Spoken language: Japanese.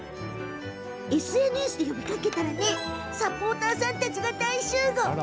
ＳＮＳで呼びかけたらサポーターさんたちが大集合。